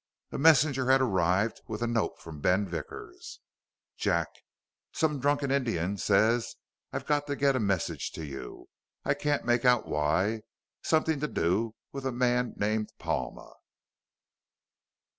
A messenger had arrived with a note from Ben Vickers: Jack _Some drunken Indian says I got to get a message to you, I can't make out why. Something to do with a man named Palma.